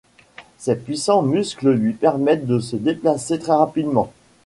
Ses puissants muscles lui permettent de se déplacer très rapidement.